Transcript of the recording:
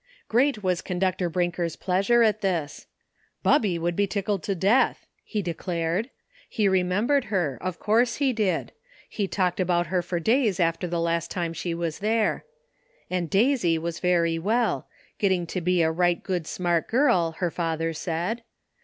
Great was Conductor Brinker' s pleasure at this. ''Bubby would be tickled to death," he declared. He remembered her, of course he did ! He talked about her for days after the last time she was there. And Daisy was very well ; getting to be a right good smart girl, her father said.